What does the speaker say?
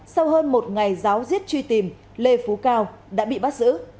sau hơn một ngày giáo diết truy tìm lê phú cao đã bị bắt giữ